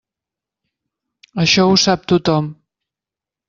Això ho sap tothom.